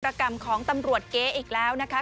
กรรมของตำรวจเก๊อีกแล้วนะคะ